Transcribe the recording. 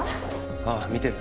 ああ見てる。